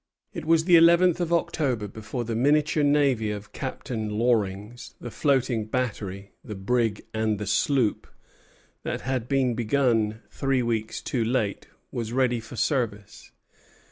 It was the eleventh of October before the miniature navy of Captain Loring the floating battery, the brig, and the sloop that had been begun three weeks too late was ready for service.